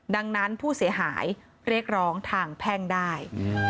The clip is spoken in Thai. ดังนั้นผู้เสียหายเรียกร้องทางแพ่งได้